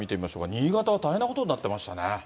新潟は大変なことになってましたね。